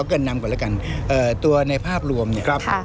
เกินนำก่อนแล้วกันตัวในภาพรวมเนี่ยครับ